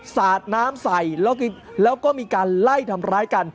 สาดน้ำใส่แล้วก็มีการไล่ทำร้ายกัน